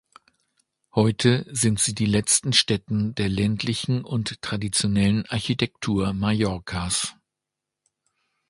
Heute sind sie letzte Stätten der ländlichen und traditionellen Architektur Mallorcas.